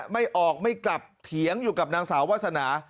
ไม่ออกไม่กลับเถียงอยู่กับนางสาววาสนา